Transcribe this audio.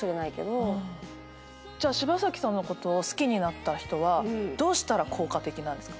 じゃあ柴咲さんのことを好きになった人はどうしたら効果的なんですか？